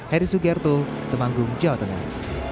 heri sugiarto temanggung jawa tengah